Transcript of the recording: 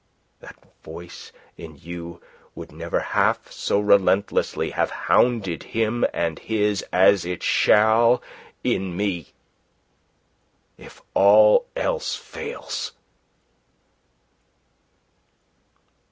That voice in you would never half so relentlessly have hounded him and his as it shall in me if all else fails."